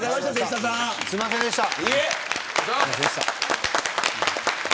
すみませんでした。